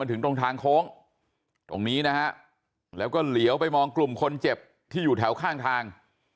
ถึงตรงทางโค้งตรงนี้นะฮะแล้วก็เหลียวไปมองกลุ่มคนเจ็บที่อยู่แถวข้างทาง